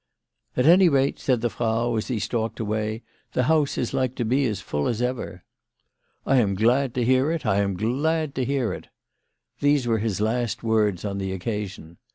"At any rate," said the Frau as he stalked away, " the house is like to be as full as ever." " I am glad to hear it. I am glad to hear it." These were his last words on the occasion.